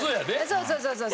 そうそうそうそう。